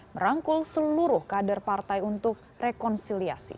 merangkul seluruh kader partai untuk rekonsiliasi